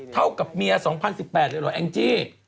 เท่ากับเมีย๒๐๑๘เลยเหรอแองจี้